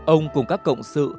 ông cùng các cộng sự